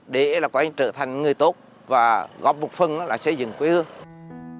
để là quả như trở thành người tốt và góp một phần là xây dựng quê hương